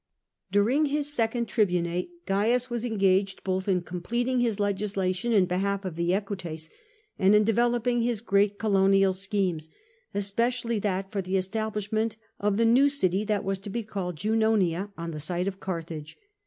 During his second tribunate Cains was engaged both in completing his legislation in behalf of the Equites and in developing his great colonial schemes, especially that for the establishing of the new city that was to be called Junonia, on the site of Carthage.